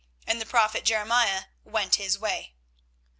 And the prophet Jeremiah went his way.